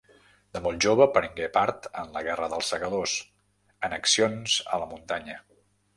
De molt jove prengué part en la guerra dels Segadors, en accions a la muntanya.